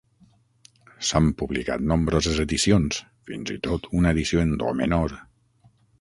S'han publicat nombroses edicions, fins i tot una edició en do menor.